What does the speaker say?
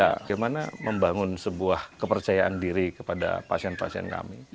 bagaimana membangun sebuah kepercayaan diri kepada pasien pasien kami